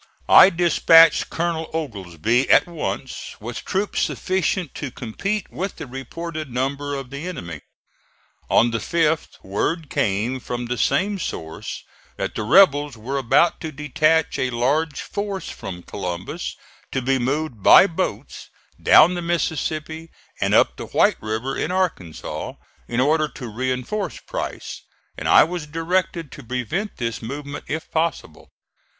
I dispatched Colonel Oglesby at once with troops sufficient to compete with the reported number of the enemy. On the 5th word came from the same source that the rebels were about to detach a large force from Columbus to be moved by boats down the Mississippi and up the White River, in Arkansas, in order to reinforce Price, and I was directed to prevent this movement if possible.